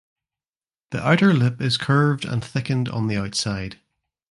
The outer lip is curved and thickened on the outside.